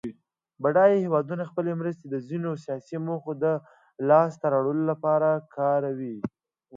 بډایه هېوادونه خپلې مرستې د ځینو سیاسي موخو د لاس ته راوړلو لپاره کاروي.